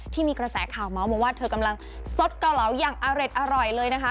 ที่มีกระแสข่าวเมาส์มาว่าเธอกำลังสดเกาเหลาอย่างอร่อยเลยนะคะ